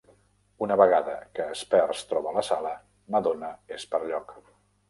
Una vegada que Spears troba la sala, Madonna és per lloc.